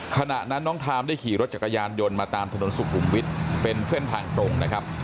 ขณะนั้นน้องทามได้ขี่รถจักรยานยนต์มาตามถนนสุขุมวิทย์เป็นเส้นทางตรงนะครับ